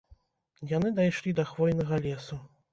Яны дайшлі да хвойнага лесу.